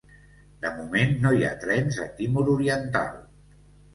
De moment, no hi ha trens a Timor Oriental.